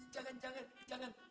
jangan jangan jangan